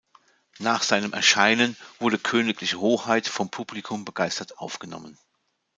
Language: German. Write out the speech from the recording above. Nach seinem Erscheinen wurde "Königliche Hoheit" vom Publikum begeistert aufgenommen.